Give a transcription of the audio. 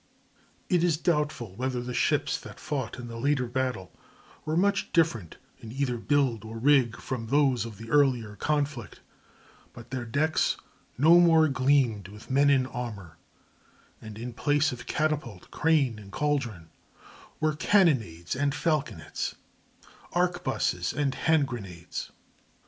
It is doubtful whether the ships that fought in the later battle were much different in either build or rig from those of the earlier conflict, but their decks no more gleamed with men in armor, and in place of catapult, crane, and caldron were cannonades and falconets, arquebuses and hand grenades.